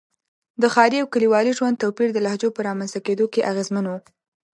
د ښاري او کلیوالي ژوند توپیر د لهجو په رامنځته کېدو کې اغېزمن و.